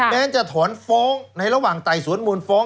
แม้จะถอนฟ้องในระหว่างไต่สวนมูลฟ้อง